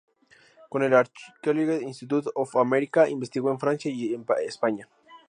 Con el "Archaeological Institute of America" investigó en Francia y España.